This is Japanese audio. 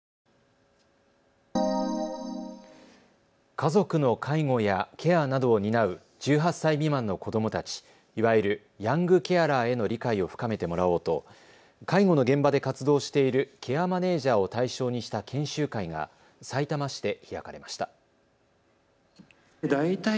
家族の介護やケアなどを担う１８歳未満の子どもたち、いわゆるヤングケアラーへの理解を深めてもらおうと介護の現場で活動しているケアマネージャーを対象にした研修会がさいたま市で開かれました。